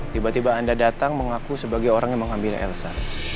tiba tiba anda datang mengaku sebagai orang yang mengambil elsa